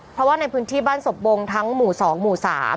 เพราะว่าในพื้นที่บ้านศพบงทั้งหมู่๒หมู่๓